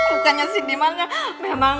bukannya sih diman yang